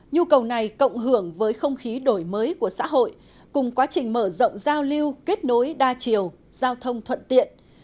nhu cầu này cộng hưởng với không khí đổi mới của xã hội cùng quá trình mở rộng giao lưu kết nối đa chiều giao thông thuận tiện